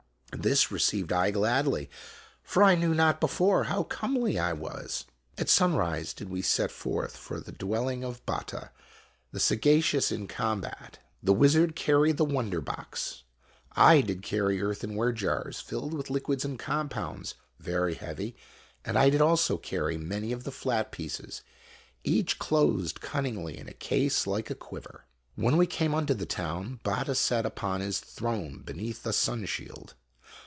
This received I gladly, for I knew not before how comely I was. At sunrise did we set forth for the dwelling of Batta, the saga cious in combat. The wizard carried the wonder box. I did carry earthenware jars filled with liquids and compounds, very heavy, and I did also carry many of the flat pieces, each closed cunningly in a case like a quiver. When we came unto the town, Batta sat upon his throne be neath a sun shield.